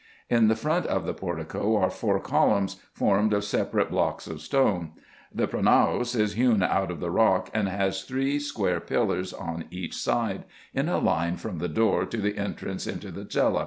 In the front of the por tico are four columns, formed of several blocks of stone : the pronaos IN EGYPT, NUBIA, &c. 71 is hewn out of the rock, and has three square pillars on each side, in a line from the door to the entrance into the cella.